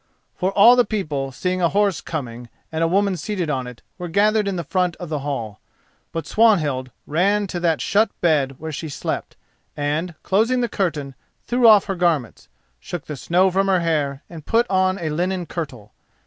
For all the people, seeing a horse coming and a woman seated on it, were gathered in front of the hall. But Swanhild ran to that shut bed where she slept, and, closing the curtain, threw off her garments, shook the snow from her hair, and put on a linen kirtle.